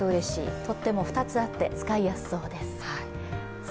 取っ手も２つあって使いやすそうです。